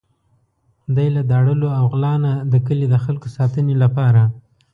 دی له داړلو او غلا نه د کلي د خلکو ساتنې لپاره.